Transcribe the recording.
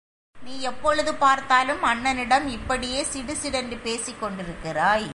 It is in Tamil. நீ எப்பொழுது பார்த்தாலும் அண்ணனிடம் இப்படியே சிடுசிடென்று பேசிக் கொண்டிருக்கிறாய்.